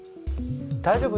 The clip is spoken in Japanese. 大丈夫？